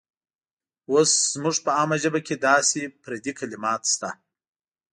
اوس زموږ په عامه ژبه کې داسې پردي کلمات شته.